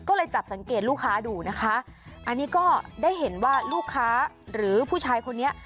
ก็เลยจับสังเกตลูกค้าดูนะคะอันนี้ก็ได้เห็นว่าลูกค้าหรือผู้ชายคนนี้